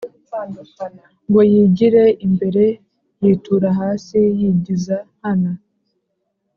ngo yigire imbere, yitura hasi yigiza nkana,